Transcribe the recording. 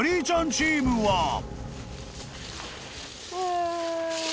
ちゃんチームは］